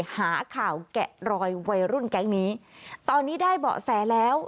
หาข่าวแกะรอยวัยรุ่นแก๊งนี้ตอนนี้ได้เบาะแสแล้ว